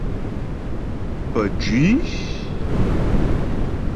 Pəjwî.